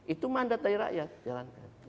itu mandat dari rakyat jalankan